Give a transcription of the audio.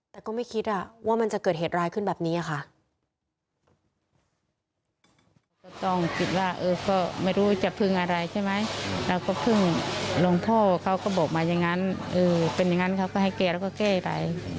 แต่ก็ไม่คิดว่ามันจะเกิดเหตุร้ายขึ้นแบบนี้ค่ะ